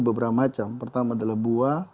beberapa macam pertama adalah buah